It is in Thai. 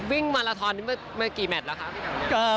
วิ่งมาราธรณ์เมื่อกี่แมตรแล้วครับ